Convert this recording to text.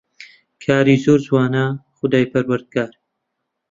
کاری زۆر جوانە خودای پەروەردگار